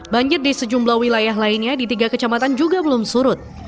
banjir di sejumlah wilayah lainnya di tiga kecamatan juga belum surut